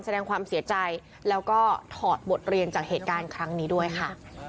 แสดงความเสียใจแล้วก็ถอดบทเรียนจากเหตุการณ์ครั้งนี้ด้วยค่ะ